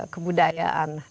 kebudayaan dan juga pariwisata